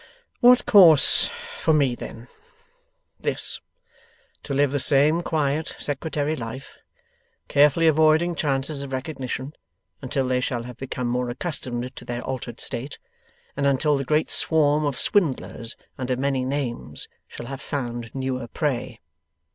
'What course for me then? This. To live the same quiet Secretary life, carefully avoiding chances of recognition, until they shall have become more accustomed to their altered state, and until the great swarm of swindlers under many names shall have found newer prey.